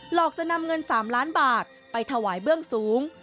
อกจะนำเงิน๓ล้านบาทไปถวายเบื้องสูง